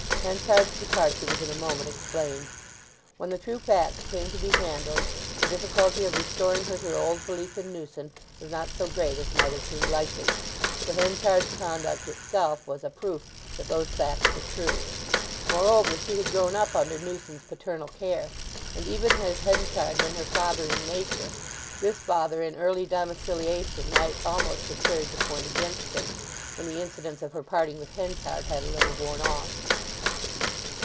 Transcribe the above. Henchard's departure was in a moment explained. When the true facts came to be handled the difficulty of restoring her to her old belief in Newson was not so great as might have seemed likely, for Henchard's conduct itself was a proof that those facts were true. Moreover, she had grown up under Newson's paternal care; and even had Henchard been her father in nature, this father in early domiciliation might almost have carried the point against him, when the incidents of her parting with Henchard had a little worn off.